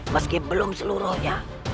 meski belum seluruhnya